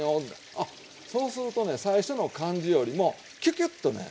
あっそうするとね最初の感じよりもキュキュッとね